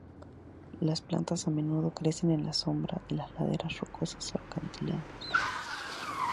Las plantas a menudo crecen en la sombra de las laderas rocosas o acantilados.